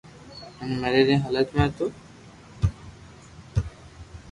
ھين مريا ري حالت ۾ ھتو